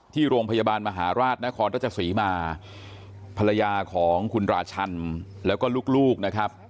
ที่โรงพยาบาลมหาราชนครราชศรีมาภรรยาของคุณราชันแล้วก็ลูกนะครับ